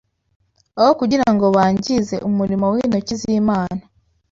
Aho kugira ngo bangize umurimo w’intoki z’Imana